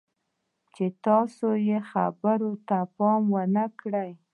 چې تاسې یې خبرو ته پام نه کوئ.